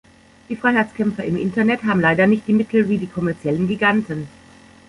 Die Freiheitskämpfer im Internet haben leider nicht die Mittel wie die kommerziellen Giganten.